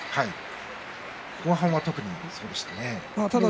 後半は特にそうでしたよね。